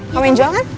mau yang jual kan